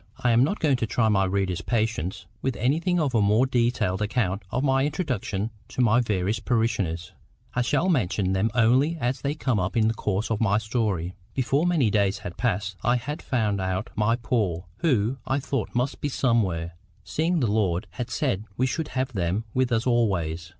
I am not going to try my reader's patience with anything of a more detailed account of my introduction to my various parishioners. I shall mention them only as they come up in the course of my story. Before many days had passed I had found out my poor, who, I thought, must be somewhere, seeing the Lord had said we should have them with us always.